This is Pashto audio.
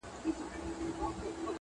خدای به د وطن له مخه ژر ورک کړي دا شر.